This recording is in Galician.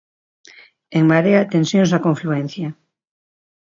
'En Marea, tensións na confluencia'.